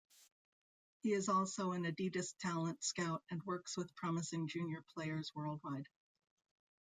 He is also an Adidas talent scout and works with promising junior players worldwide.